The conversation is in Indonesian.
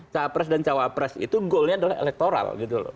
capres dan cawapres itu goalnya adalah elektoral